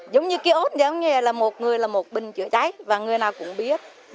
giống như ký ốt như thế là một người là một bình chữa cháy và người nào cũng biết